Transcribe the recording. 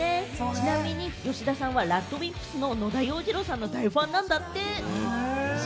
ちなみに吉田さんはＲＡＤＷＩＭＰＳの野田洋次郎さんの大ファンなんだって。